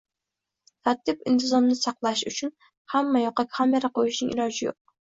Tartib-intizomni saqlash uchun hamma yoqqa kamera qo‘yishning iloji yo‘q.